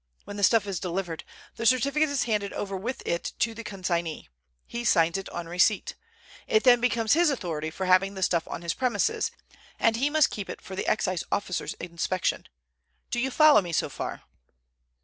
When the stuff is delivered, the certificate is handed over with it to the consignee. He signs it on receipt. It then becomes his authority for having the stuff on his premises, and he must keep it for the Excise officer's inspection. Do you follow me so far?"